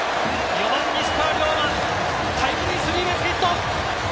４番・西川龍馬、タイムリースリーベースヒット！